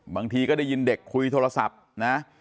บางทีก็ได้ยินเด็กคุยโทรศัพท์นะ